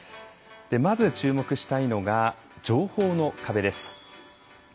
まず注目したいのが情報の壁です。